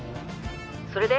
それで？